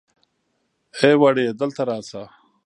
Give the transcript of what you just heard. ای وړې دلته راشه.